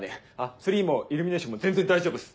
ツリーもイルミネーションも全然大丈夫っす！